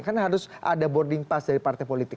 karena harus ada boarding pass dari partai politik